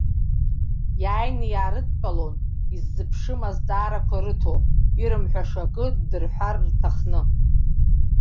Иааины иаарыдтәалон, иззыԥшым азҵаарақәа рыҭо, ирымҳәаша акы ддырҳәар рҭахны.